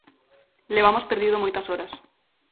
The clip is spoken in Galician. Levamos perdido moitas horas.